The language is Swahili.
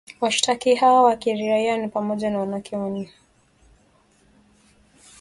Washtakiwa hao wa kiraiaa ni pamoja na wanawake wane